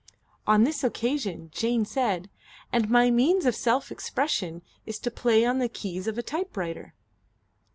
On this occasion Jane said: "And my means of self expression is to play on the keys of a typewriter."